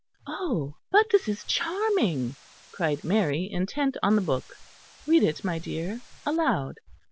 "Oh, but this is charming," cried Mary, intent on the book. "Read it, my dear, aloud."